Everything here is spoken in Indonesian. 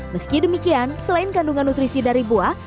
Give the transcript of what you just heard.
meski demikian selain kandungan nutrisi dari buah